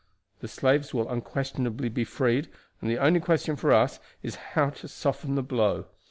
The slaves will unquestionably be freed, and the only question for us is how to soften the blow.